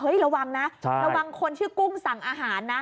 ระวังนะระวังคนชื่อกุ้งสั่งอาหารนะ